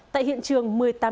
tại hiện trường một mươi tám b